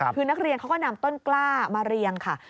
คือนักเรียนเขาก็นำต้นกล้ามาเรียงค่ะ